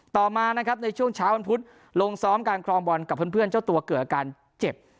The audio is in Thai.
ต่อมานะครับในช่วงเช้าวันพุธลงซ้อมการครองบอลกับเพื่อนเจ้าตัวเกิดอาการเจ็บ